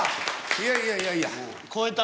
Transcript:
いやいやいやいや。超えた。